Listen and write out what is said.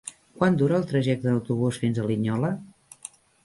Quant dura el trajecte en autobús fins a Linyola?